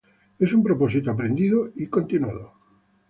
Es un propósito aprendido y continuado.